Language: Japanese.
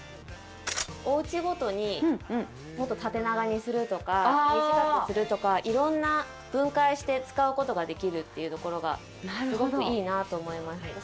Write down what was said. おうちごとにもっと縦長にするとか短くするとか、いろんな分解して使うことができるっていうところがすごくいいなと。